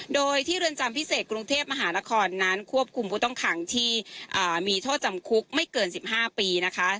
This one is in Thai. โดยที่เรือนจำพิเศษกรุงเทพมหานครนั้นควบคุมผู้ต้องขังที่มีโทษจำคุกไม่เกิน๑๕ปีนะคะ